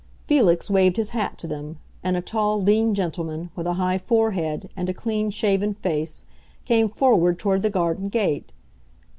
Felix waved his hat to them, and a tall, lean gentleman, with a high forehead and a clean shaven face, came forward toward the garden gate.